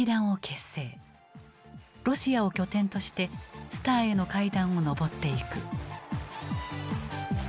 ロシアを拠点としてスターへの階段を上っていく。